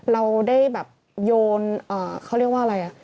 เราได้แบบโยนเขาเรียกว่าอะไร